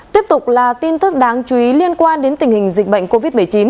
tiếp tục là tin tức đáng chú ý liên quan đến tình hình dịch bệnh covid một mươi chín